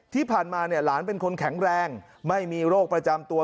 ที่ผ่านมาเนี่ยหลานเป็นคนแข็งแรงไม่มีโรคประจำตัว